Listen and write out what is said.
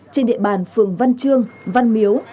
trên địa bàn phường văn trương văn miếu